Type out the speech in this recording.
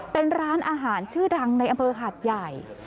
เป็นร้านอาหารชื่อดังในอำเภอหาดใหญ่